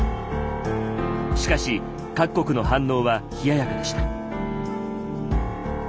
しかし各国の反応は冷ややかでした。